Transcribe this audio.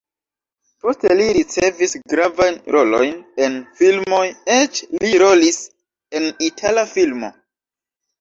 Poste li ricevis gravajn rolojn en filmoj, eĉ li rolis en itala filmo.